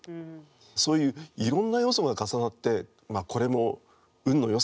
そういういろんな要素が重なってこれも運のよさと言うんでしょうか。